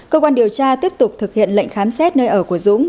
cơ quan điều tra tiếp tục thực hiện lệnh khám xét nơi ở của dũng